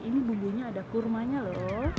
ini bumbunya ada kurmanya loh